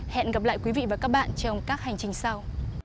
hẹn gặp lại quý vị và các bạn trong các hành trình sau